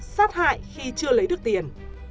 sát hại khi chưa lấy được tiền